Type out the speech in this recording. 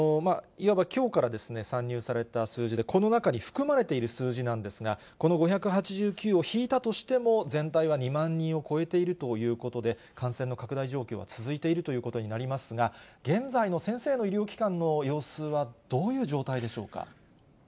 いわば、きょうから算入された数字で、この中に含まれている数字なんですが、この５８９を引いたとしても、全体は２万人を超えているということで、感染の拡大状況は続いているということになりますが、現在の先生の医療機関の様子はどういう状態でしょうか。